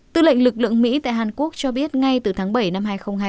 tư lệnh lực lượng mỹ tại hàn quốc cho biết ngay từ tháng bảy năm hai nghìn hai mươi ba